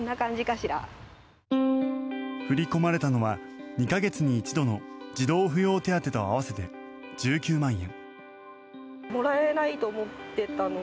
振り込まれたのは２か月に一度の児童扶養手当と合わせて１９万円。